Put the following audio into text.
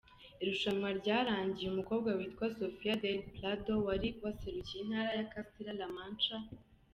Irushanwa ryarangiye umukobwa witwa Sofia del Prado wari waserukiye Intara ya Castilla La Mancha.